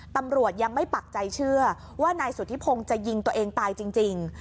ตำรวจยังไม่ปักใจเชื่อว่านายสุธิพงศ์จะยิงตัวเองตายจริง